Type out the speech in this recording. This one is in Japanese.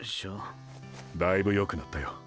だいぶよくなったよ。